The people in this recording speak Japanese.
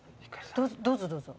どうぞどうぞ。